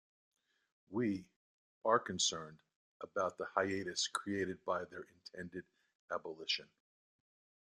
We...are concerned about the hiatus created by their intended abolition.